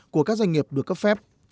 của các doanh nghiệp được cấp phép